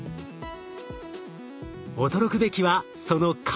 驚くべきはその感度。